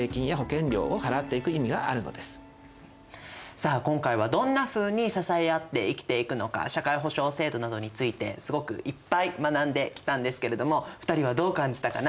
さあ今回はどんなふうに支え合って生きていくのか社会保障制度などについてすごくいっぱい学んできたんですけれども２人はどう感じたかな？